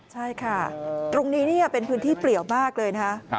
ใช่ค่ะตรงนี้เป็นพื้นที่เปลี่ยวมากเลยนะคะ